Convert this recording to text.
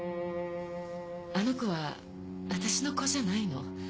あの子は私の子じゃないの。